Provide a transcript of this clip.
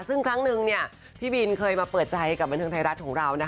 ซึ่งครั้งนึงพี่บินเคยมาเปิดใจกับบันเทิงไทยรัฐของเรา